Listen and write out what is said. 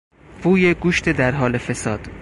بوی گوشت در حال فساد